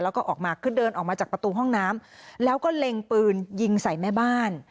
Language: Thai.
แล้วก็ออกมาคือเดินออกมาจากประตูห้องน้ำแล้วก็เล็งปืนยิงใส่แม่บ้าน